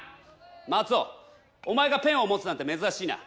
マツオお前がペンを持つなんてめずらしいな。